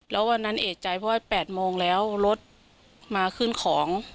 แล้ววันนั้นเอกใจเพราะว่า๘โมงแล้วรถมาขึ้นของ